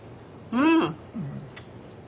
うん。